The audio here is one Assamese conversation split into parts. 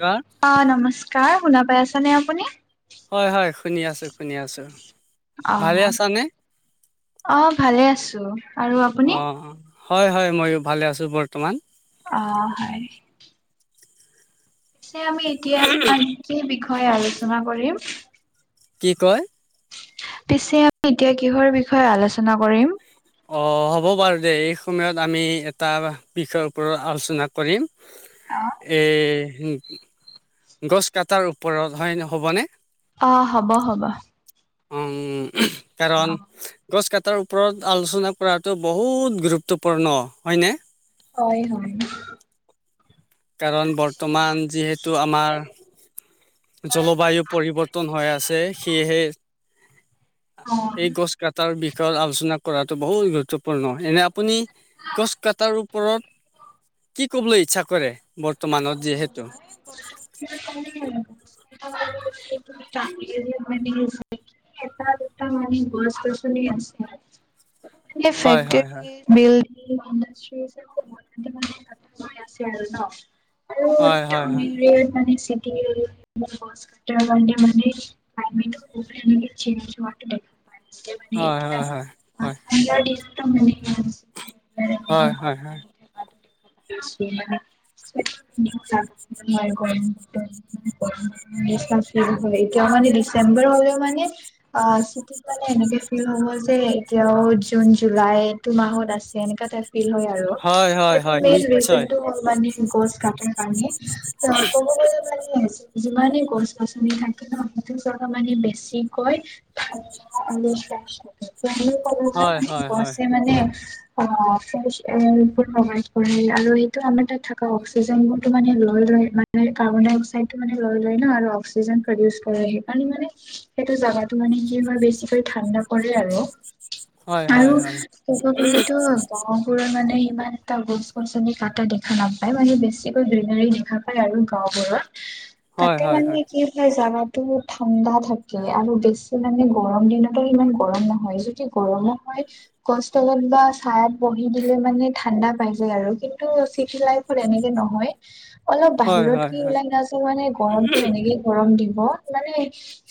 কোৱা? অ নমস্কাৰ শুনা পাই আছে নে আপুনি হয় হয় শুনি আছো শুনি আছো অ ভালে আছানে অ ভালে আছো আৰু অ আপুনি হয় হয় মইও ভালে আছোঁ বৰ্তমান অ হয় পিছে আমি এতিয়া আজি এই বিষয়ে আলোচনা কৰিম [unintelligible] কি কয় পিছে আমি এতিয়া কিহৰ বিষয়ে আলোচনা কৰিম অ হ'ব বাৰু দে এই সময়ত আমি এটা বিষয়ৰ ওপৰত আলোচনা কৰিম এ গছ কটাৰ ওপৰত হয় হ'বনে অ হ'ব হ'ব উ অ কাৰণ গছ [unintelligible] তাৰ ওপৰত আলোচনা কৰাটো বহুত গুৰুত্বপূৰ্ণ হয়নে হয় হয় কাৰণ বৰ্তমান যি জলবায়ু পৰিৱৰ্তন হৈ আছে সেয়েহে অ এই গছ কাটাৰ বিষ বিষয়ত আলোচনা কৰাটো বহুত গুৰুত্বপূৰ্ণ, এনে আপুনি গছ কটাৰ ওপৰত কি কবলৈ ইচ্ছা কৰে বৰ্তমানত যিহেতু? [inaudible] মানে এটা দুটা মানে গছ গছনি [unintelligible] সেই হয় ফেক্টী হয় হয় বি্ল [inaudible] আৰু হয় হয় [unintelligible] মানিছিলো। [unintelligible] [inaudible] মানে হয় হয় হয় এতিয়াৰ দিনতো মান [inaudible] হয় হয় হয়। [unintelligible] হয় এতিয়াও মানে ডিচেম্বৰ হলেও মানে অ সিটো মানে এনেকে ফিল হ'ব যে এতিয়াও জুন জুলাইটো মাহত আছে এনেকা টাইপ [unintelligible] হয় হয় হয় হয় সেইটো হয় মেইন ৰিজন নিশ্চয় টো হল মানে গছ কাটাৰ কাৰনে, ত কব গলে মানে [inaudible] যিমানে গছ গছনি থাকে ন হেতু [unintelligible] মানে বেছিকৈ আৰু হয় হয় হয় [unintelligible] [unintelligible] [unintelligible] কাৰ্বন ডাই অক্সাইড টো মানে লৈ লয় ন আৰু অক্সিজেন প্ৰডিউচ কৰা স মানে সেইটো জাগাটো মানে কি হয় বেছিকৈ ঠাণ্ডা পৰে আৰু। হয় আৰু হয় ক'ব গ'লেতো ব্ৰহবোৰৰ মানে ইমান এটা গছ গছনি কাটা দেখা নাপায় মানে বেছিকৈ গ্ৰীনোৰী দেখা পায় আৰু গাওঁবোৰত। হয় হয় তাতে হয় মানে কি হয় জানা ঠাণ্ডা থাকে আৰু বেছি মানে গৰম দিনতো ইমান গৰম নহয় যদি গৰমত গছ তলত বা চাত বহি দিলে মানে ঠাণ্ডা পাই যায় আৰু কিন্তু চি [unintelligible] এনেকে নহয় অলপ হয় হয় বাহিৰত হয় কি ওলাই নায মানে গৰমতটো এনেকেই গৰম দিন মানে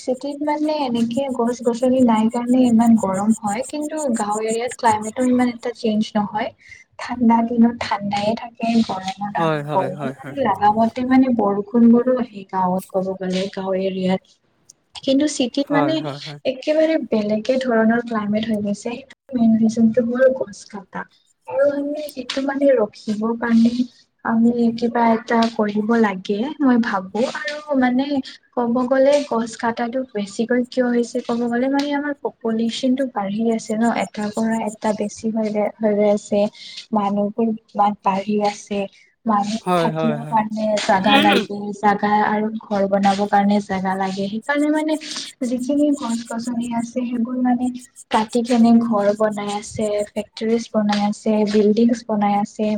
চিটিত মানে এনেকে গছ গছনি নাই কাৰণে ইমান গৰম হয় কিন্তু কিন্তু গাও এৰিয়াত ক্লাইমেটটো ইমান এটা চেঞ্জ নহয় ঠাণ্ডা দিনত ঠাণ্ডাইে থাকে। হয় হয়। কম হয় হয় হয় লাগিলা। ম মানে বৰষুণ বোৰো আহে গাঁৱত ক'ব গ'লে গাঁও এৰিয়াত কিন্তু সিঠি হয় মানে হয় একেবাৰে বেলেগে ধৰণৰ ক্লাইমেট হৈ গৈছে, সেই মেইন ৰিজনটো হ'ল গছ কটা আৰু [inaudible] সেইটো মানে ৰখিবৰ কাৰণে আমি কিবা এটা কৰিব লাগে মই ভাবো, আৰু মানে ক'ব গলে গছ কাটাটো বেছিকৈ কিয় হৈছে ক'ব গলে মানে আমাৰ পপুলেশ্যন টো বাঢ়ি আছে ন এটাৰ পৰা এটা বেছি হৈ হৈ আছে মানুহবোৰ ইমান বাঢ়ি আছে। মানু্হ হয় হয় হয় হয় থাকিবৰ কাৰণে জাগা লাগে [inaudible] জা আৰু ঘৰ বনাব কাৰণে জোগা লাগে সেইকাৰণে মানে যিখিনি গছ গছনি আছে সেইবোৰ মানে কতি কেনে ঘৰ বনাই আছে ফেক্টৰী বনাই আছে বিল্ডিংছ বনাই আছে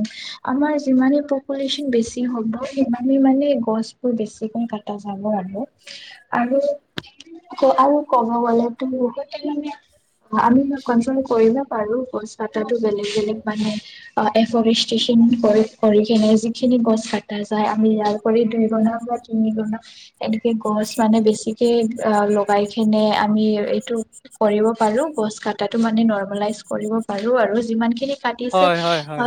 আমাৰ যিমানে পপুলেচন বেছি হব সিমানে মানে গছো বোৰ বেছিকৈ কটা যাব আৰু। আৰু আৰু ক'ব গলে টো বহুত আমি কন কৰিব পাৰো [inaudible] বেলেগ বেলেগ মানে এফৰেষ্টেচন কৰি কৰি। কেনে যিখিনি গছ কটা যায় আমি ইয়াৰ পৰা দুই গনা বা তিনি গুনা এনেকে গছ ম মানে বেছিকে অ লগাই কিনে আমি এইটো কৰিব পাৰো গছ কটাটো মানে। নৰ্মেলাইছে কৰিব পাৰোঁ আৰু, যিমানখিনি কাটিছে হয় হয় অ হয়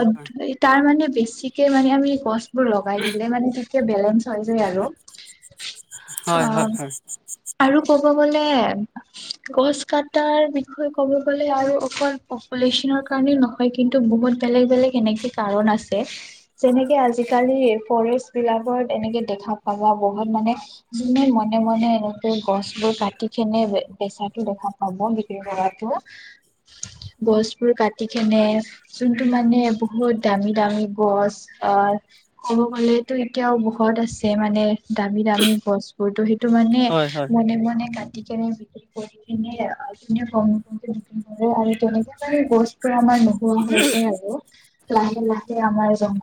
তাৰ মানে বেচি তকে মানে আমি গছবোৰ লগাই দিলে মানে তকে বেলেঞ্চ হৈ যায় আৰু- অ হয় হয় হয় হয় হয় হয় আৰু কব- ক গছ কটাৰ বিষয়ে ক'ব গলে আৰু অকল পপুলেশনৰ। কাৰণে নহয় কিন্তু বহুত বেলেগ বেলেগ এনেকে কাৰণ আছে। যেনেকে আজিকালি ফৰেষ্ট বিলাকত এনেকে দেখা পাবা বহুত মানে যোনে। ম মে মান এনেকে গছবোৰ কাটি কেনে বেচাটো দেখা পাব বিক্ৰী কৰাতটো- গছবোৰ কাটি কেনে যোনটো মানে বহুত দামী দামী গছ- অ ক'ব গলেতো এতিয়াও বহুত আছে মানে দামী দামী গছ বোৰতো সেই তটো মানে মনে মনে কাট- নে বিক্ৰী কৰি কিনেম বিক্ৰী কৰে আৰু তেনেক বস্তু আমাৰ নোহোৱা হৈছে আৰু লাহে লাহে আমাৰ জ [unintelligible]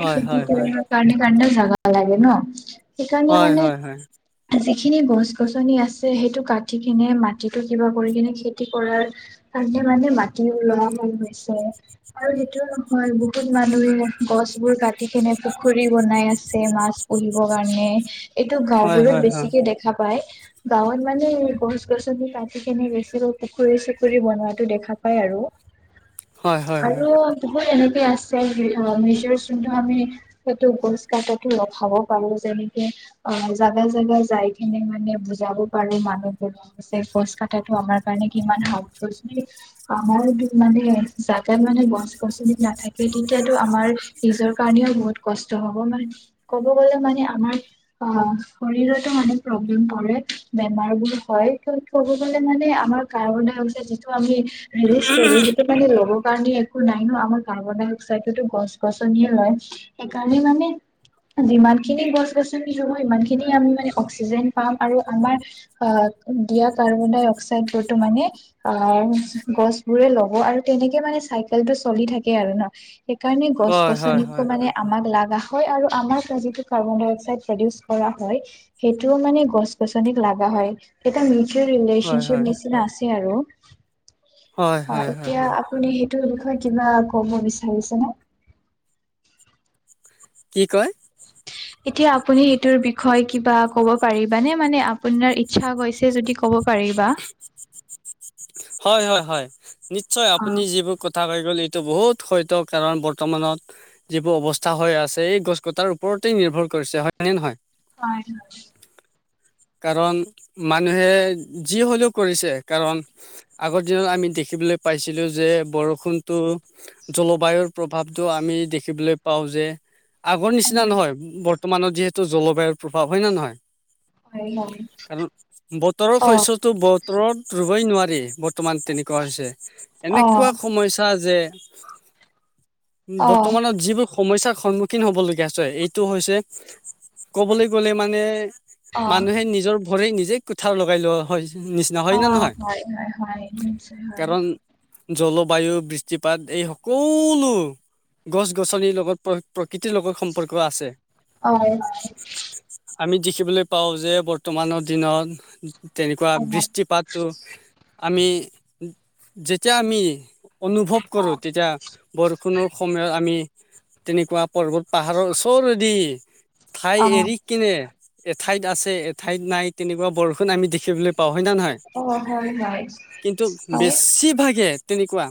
হয় সিদ্ধ হয় হয় হয় হয় কাৰণে ক জাগা লাগে ন সেইকাৰণে মানে। হয় যিখিনি গছ গছনি আছে সেইটো কাটি কিনে মাটিিতো কিবা কৰি কিনে খেতি কৰাৰ- মানে মাটি ওলোৱা মন গৈছে। আৰু সেইটো নহয় বহুত মানুহে গছ বোৰ কাটি কেনে পুখুৰী বনাই আছে মাছ। পঢ়িবৰ কাৰণে এইটো হয় গাওবোৰত বেছিকে দেখা পায়। গাঁৱত মানে গছ গছনি কাটি কিনে বেছিকৈ পুখুৰী চুখুৰী বনোৱাটো দেখা পায়। আৰু উ হয় হয় আৰু বহুত এনেক সেই আছে মেজৰ যোনটো আমি সেইটো গোছ কাততো ৰখাব পাৰো যেনেকে- অ জাগা জোগা যাই কিনে মানে বুজাব পাৰো মানুহ বোৰক যে কোচ কঠো আমাৰ কাৰণে কিমান আমাৰ মানে। জাগাত মানে গছ গছনি নাথাকে তেতিয়াতো আমাৰ নিজৰ কাৰণেও বহুত কষ্ট হ'ব মান। ক'ব গলে মানে আমাৰ অ শৰীৰতো মানে প্ৰব্লেম পৰে বেমাৰ বোৰ হয় ক মানে আমাৰ কাৰ যিটো আমি ৰিলজো হয় সেইটো মে ণে একো নাই ন আমাৰ কাৰ্বন ডাই অক্সাইডো গছ গছনিয়ে লয় সেইকাৰণে মানে। যিমান খিনি গছ গছনি হব সিমানখিনি আমি মানে অক্সিজেন পাম আৰু আমাৰ অ দিয়া কাৰ্বন ডাই অক্সাইড বোৰ‌ ত মানে অ গছ বোৰে ল'ব আৰু তেনেকে মানে চাইকেল টো চলি থাকে আৰু ন সেইকাৰণে গছ হয় হয় গছনিকো হয় মানে আমাক লা হয় আৰু আমাৰ পৰা যিটো কাৰ্বন ডাই অক্সাইড প্ৰডিউচ কৰা হয় সেইটোও মানে গছ গছনিক লাগা হয়। হয় এটা নিউট্ৰিএল হয় ৰিলেচনশ্বিপ হয় নিচিনা আছে আৰু হয় অ হয় হয়। এতিয়া হয় আপুনি সেইটোৰ বিষয়ে কিবা কব বিচাৰিছেনে? কি কয়। এতিয়া আপুনি সেইটোৰ বিষয়ে কিবা কব পাৰিবানে মানে আপোনাৰ ইচ্ছা গৈছে যদি। ক'ব পাৰিবা। হয় হয় হয় নিশ্চয় অ আপুনি যিবোৰ ক কথা হৈ গ'ল এইটো বহুত হত্য কাৰণ বৰ্তমানত যিবোৰ অৱস্থা হৈ আছে। এই গছ, কটাৰ ওপৰত নিৰ্ভৰ কৰিছে হয় নে নহয়। হয়। কাৰণ মানুহে যি হলেও কৰিছে কাৰণ আগৰ দিনত আমি দেখিবলৈ পাইছিলো যে বৰষুণতটো জলবায়ুৰ প্ৰভাৱটো আমি আমি দেখিবলৈ পাওঁ। যে আগৰ নিচিনা নহয় বৰ্তমানত যিহেতু জলবায়ুৰ প্ৰভাৱ হয় ন নহয়। হয় হয় কাৰণ বতৰৰ অ শস্যটো বতৰত ৰুবই নোৱাৰি। বৰ্তমান তেনেকুৱা হৈছে অ এনেকুৱা সমস্যা যে। উম অ বৰ্তমানৰ যিবোৰ। সমস্যাৰ সন্মুখীন হ'বলগীয়া হৈছে। এইটো হৈছে ক'বলৈ গ'লে মানে অ মানুহে নিজৰ ভৰি নিজে কোঠাৰ লগাই লোৱা হয় নিচিনা অ হয় নে নহয়। হয় হয় হয় নিশ্চয় হয়। কাৰণ জলবায়ু বৃষ্টিপাত এই সকলো গছ গছনিৰ লগত প্ৰকৃতিৰ লগত সম্পৰ্ক আছে। হয় আমি দেখিবলৈ পাওঁ যে বৰ্তমানৰ দিনত তেনেকুৱা হয় বৃষ্টিপাতটো। আমি যেতিয়া আমি অনুভৱ অ কৰোঁ তেতিয়া বৰষুণৰ সময়ত আমি তেনেকুৱা পৰ্বত পাহাৰৰ ওচৰেদি ঠাই অ এৰি কিনে ঠাইত আছে এঠাইত নাই তেনেকুৱা বৰষুণ আমি দেখিবলৈ পাওঁ হয় নে নহয়। অ' হয় হয় কিন্তু হয় বেছি ভাগে তেনেকুৱা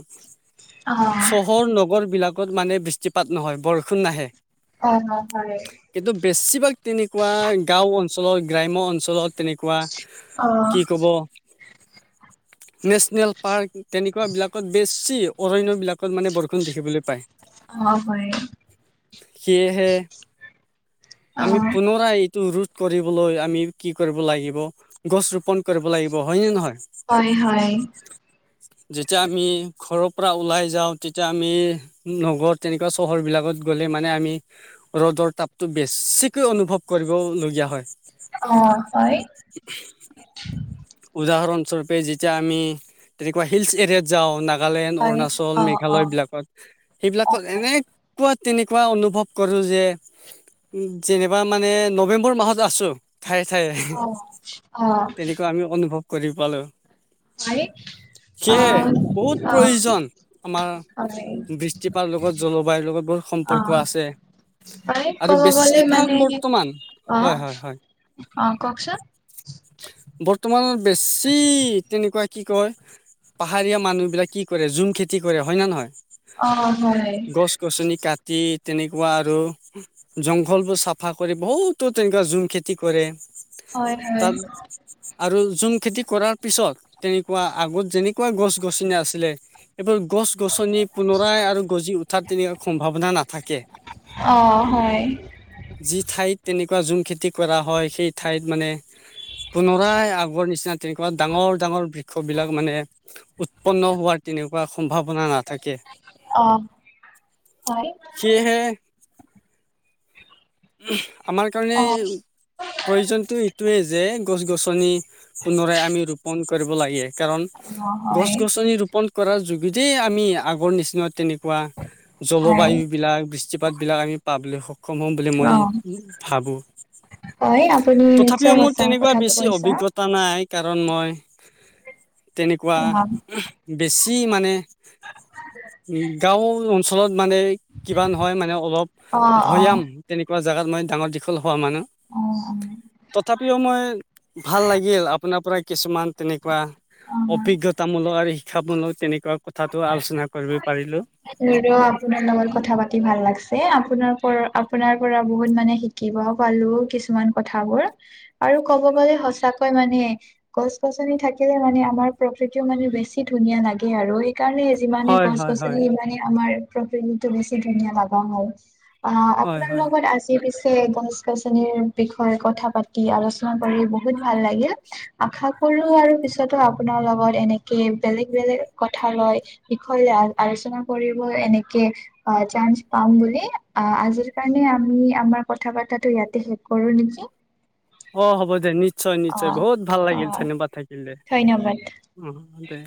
অ' চহৰ নগৰ বিলাক কত মানে বৃষ্টিপাত নহয় বৰষুণ নাহে। অ' হয় কিন্তু বেছিভাগ তেনেকুৱা গাঁও অঞ্চলৰ গ্ৰাম্য অঞ্চলত তেনেকুৱা অ' কি ক'ব। নেচনেল পাৰ্ক তেনেকুৱা বিলাকত বেছি অৰণ্য বিলাক তাত মানে বৰষুণ দেখিবলৈ পায়। অ' হয় সেয়েহে অ' আমি পুনৰা‌ এই টো ৰোধ কৰিবলৈ আমি কি কৰিব লাগিব গছ ৰোপন কৰিব লাগিব হয়নে নহয় হয় হয় যেতিয়া আমি ঘৰ পৰা ওলাই যাওঁ তেতিয়া আমি নগৰ তেনেকুৱা চহৰবিলাকত গ'লে মানে আমি ৰ'দ ৰদ তাপতটো বেছিকৈ অনুভৱ কৰিবলগীয়া হয়। অহ হয়। উদাহৰণ স্বৰূপে যেতিয়া আমি তেনেকুৱা শিলছ এৰিয়াত যাওঁ ন নাগালেণ্ড হয় অৰুণাচল অ' অ' মেঘালয় বিলাকত অ' অ' সেইবিলাকত এনে তেনেকুৱা তেনেকুৱা অনুভৱ কৰো যে উম যেনিবা মানে নৱেম্বৰ মাহত আছো। ঠায়ে ঠায়ে অ' তেনেকুৱা আমি অনুভৱ কৰি পালো। আৰে সেয়েহে বহুত প্ৰয়োজন আমাৰ হয় বৃষ্টিপাত লগত জলবায়ুৰ লগত বহুত সম্পৰ্ক অ' আছে। হয় আৰু ক'ব গ'লে বেছিভাগ মানে বৰ্তমান অ' হয় হয় হয়। অ' কওকচোন বৰ্তমান বেছি তেনেকুৱা কি কয় পাহাৰীয়া মানুহ বিলাক কি কৰে জুম খেতি কৰে হয় নে অ' হয় নহয়? গছ গছনি কাটি তেনেকুৱা আৰু জংঘল বোৰ চাফা কৰি বহুতো তেনেকুৱা জুম খেতি কৰে। হয় হয়। তাত আৰু জুম খেতি কৰাৰ পিছত তেনেকুৱা আগত যেনেকুৱা গছ গছনি আছিলে এইবোৰ গছ গছনি পুনৰাই আৰু গজি উঠাত তেনেকুৱা সম্ভাৱনা না থাকে, অ' হয় যি ঠাইত তেনেকুৱা জুম খেতি কৰা হয় সেই ঠাইত মানে পুনৰাই আগৰ নিচিনা তেনেকুৱা ডাঙৰ ডাঙৰ বৃক্ষ বিলাক মানে উৎপন্ন হোৱাৰ তেনেকুৱা সম্ভাৱনা নাথাকে। অ' হয় সেয়েহে- উহ আমাৰ কাৰণে অ' অ' প্ৰয়োজনতো এইটোৱেই যে গছ গছনি পুনৰাই আমি ৰোপন কৰিব লাগে। কাৰণ গছ হয় গছনি ৰোপন কৰা গোটেই আমি আগৰ নিচিনা তেনেকুৱা পোৱা হয় জলবায়ুবিলাক বৃষ্টিপাতবিলাক আমি পাবলৈ সক্ষম হম। বুলি মই অ' ভাবোঁ। হয় আপুনি তথাপিও নিশ্চয় মোৰ সঁচা তেনেকুৱা কথাটো বেছি কৈছা অভিজ্ঞতা নাই নাই কাৰণ মই তেনেকুৱা অ' বেছি মানে উম গাঁও অঞ্চলত মানে কিবা নহয় মানে অলপ অ', অ', ভৈয়াম তেনেকুৱা জোগাত মানে ডাঙৰ দীঘল অ মানুহ অ', তথাপিও মই ভাল লাগিল আপোনাৰ পৰা কিছুমান তেনেকুৱা অ', অ'। অভিজ্ঞতামূলক আৰু শিক্ষামূলক তেনেকুৱা কথাটো আলোচনা কৰিব পাৰিলো। হ আপোনাৰ লগত কথা পাতি ভাল লাগছে আপোনাৰ পৰা আপোনাৰ পৰা বহুত মানে শিকি পালো কিছুমান কথাবোৰ। আৰু ক'ব গলে সচাকৈ মানে গছ গছনি থাকিলে মানে আমাৰ প্ৰকৃতিও মানে বেছি ধুনীয়া লাগে আৰু সেইকাৰণে যিমানে হয় গছ হয় হয় গছনি সিমানে আমাৰ প্ৰকৃতিটো বেছি ধুনীয়া লগা হয়। অ হয় আপোনাৰ হয় লগত আজি পিছে গছ গছনিৰ বিষয়ে কথা পাতি আলোচনা কৰি বহুত ভাল লাগিল। আশা লো আৰু পিছতো আপোনাৰ লগত এনেকে বেলেগ বেলেগ কথা লয় বিষয় লৈ আলোচনা কৰিব এনেকে চাঞ্চ পাম বুলি। আহ আজিৰ কাৰণে আমি আমাৰ কথা প তাটো ইয়াতে শেষ কৰো নেকি? অ হ'ব দে নিশ্চয় অ নিশ্চয় বহুত ভাল অ লাগিল ধন্যবাদ থাকিল। দে ধন্যবাদ অ দে।